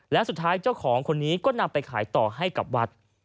และสุดท้ายเจ้าของคนนี้ก็นำไปขายต่อให้กับวัด